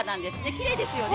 きれいですよね。